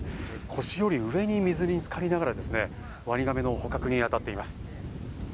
腰より上に水につかりながらワニガメの捕獲に当たっています。